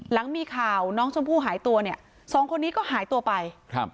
หลังมีข่าวน้องชมพู่หายตัวเนี่ยสองคนนี้ก็หายตัวไปครับ